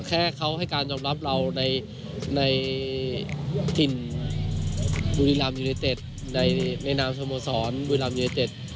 แค่เขาให้การรับรับเราในในถิ่นบุรีรามยูเลเต็ดในในนามสมสรรค์บุรีรามยูเลเต็ด